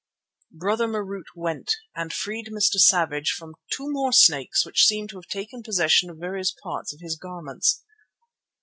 Brother Marût went and freed Mr. Savage from two more snakes which seemed to have taken possession of various parts of his garments.